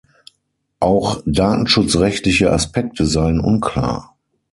Auch datenschutzrechtliche Aspekte seien unklar.